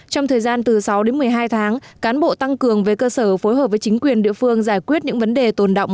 trong thời gian từ sáu đến một mươi hai tháng cán bộ tăng cường về cơ sở phối hợp với chính quyền địa phương giải quyết những vấn đề tồn động